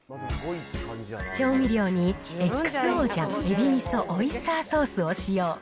調味料にＸＯ醤、エビみそ、オイスターソースを使用。